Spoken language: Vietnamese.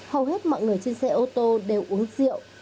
hầu hết mọi người trên xe ô tô đều uống rượu